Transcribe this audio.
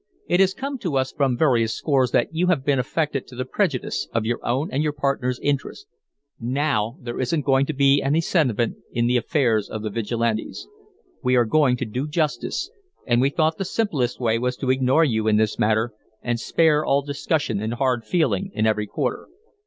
It has come to us from various sources that you have been affected to the prejudice of your own and your partner's interest. Now, there isn't going to be any sentiment in the affairs of the Vigilantes. We are going to do justice, and we thought the simplest way was to ignore you in this matter and spare all discussion and hard feeling in every quarter."